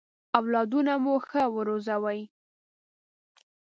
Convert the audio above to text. اولادونه مو ښه ورزوی!